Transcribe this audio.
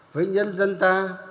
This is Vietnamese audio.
với nhân dân ta